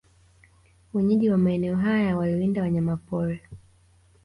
Wenyeji wa maeneo haya waliwinda wanyama pori